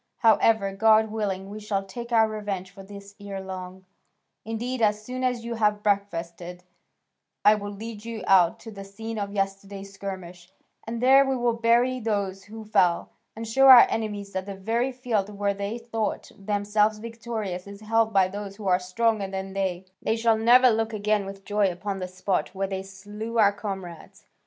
However, God willing, we shall take our revenge for this ere long; indeed, as soon as you have breakfasted, I will lead you out to the scene of yesterday's skirmish, and there we will bury those who fell, and show our enemies that the very field where they thought themselves victorious is held by those who are stronger than they: they shall never look again with joy upon the spot where they slew our comrades.